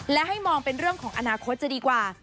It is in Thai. และให้มองเป็นเรื่องของอนาคตจะดีกว่า